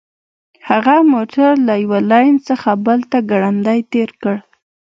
هغه موټر له یوه لین څخه بل ته ګړندی تیر کړ